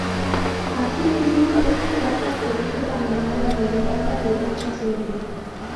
Así mismo, es la cuarta película animada derivada de dicha serie.